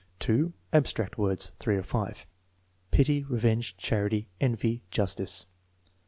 %. Abstract words. (3 of 5.) Pity; revenge; charity; envy; justice.